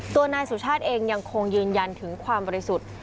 ตัวนายสุชาติเองยังคงยืนยันถึงความบริสุทธิ์